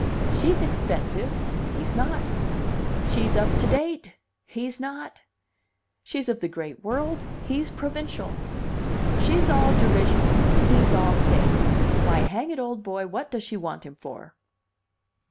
She's expensive, he's not; she's up to date, he's not; she's of the great world, he's provincial. She's all derision, he's all faith. Why, hang it, old boy, what does she want him for?"